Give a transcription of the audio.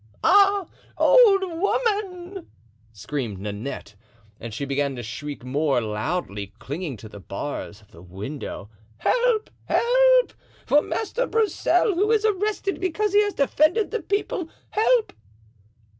"Ah! old woman!" screamed Nanette. And she began to shriek more loudly, clinging to the bars of the window: "Help! help! for Master Broussel, who is arrested because he has defended the people! Help!"